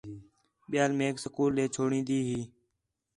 ٻِیال میک سکول ݙے چُھڑین٘دی ہی